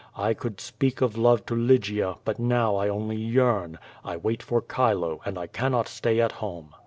I could speak of love to Lygia, but now I only yearn; I wait for Chilo, and I cannot stay at home.